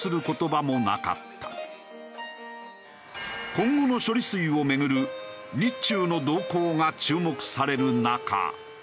今後の処理水をめぐる日中の動向が注目される中。